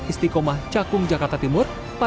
pemilik tempat pencucian mobil berukuran lebih kecil